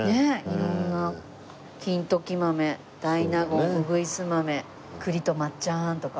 色んな金時豆大納言うぐいす豆栗と抹茶あんとか。